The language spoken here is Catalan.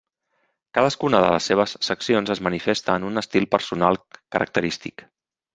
Cadascuna de les seves seccions es manifesta en un estil personal característic.